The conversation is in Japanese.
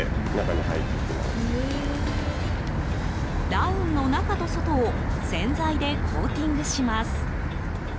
ダウンの中と外を洗剤でコーティングします。